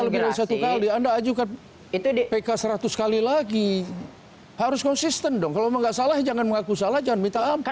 lebih dari satu kali anda ajukan pk seratus kali lagi harus konsisten dong kalau memang tidak salah jangan mengaku salah jangan minta ampun